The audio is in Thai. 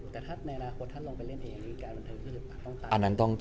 แต่ถ้าในอนาคตถ้าลงไปเล่นเองอย่างนี้การบรรทัยคือหรือเปล่าต้องตัด